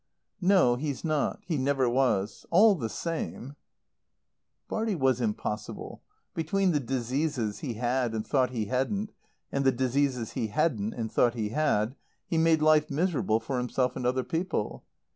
"No, he's not. He never was. All the same " Bartie was impossible. Between the diseases he had and thought he hadn't and the diseases he hadn't and thought he had, he made life miserable for himself and other people.